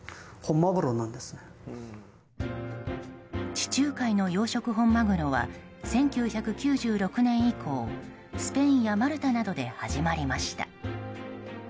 地中海の養殖本マグロは１９９６年以降スペインやマルタなどで始まりました。